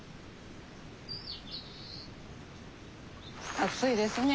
暑いですね。